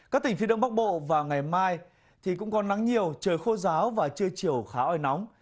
các tỉnh phía đông bắc bộ và ngày mai thì cũng còn nắng nhiều trời khô giáo và chưa chiều khá oi nóng